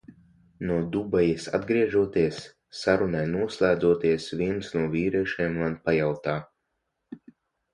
No Dubaijas atgriežoties. Sarunai noslēdzoties, viens no vīriešiem man pajautā.